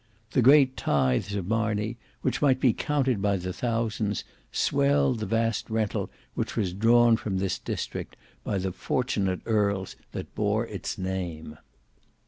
The great tithes of Marney, which might be counted by thousands, swelled the vast rental which was drawn from this district by the fortunate earls that bore its name.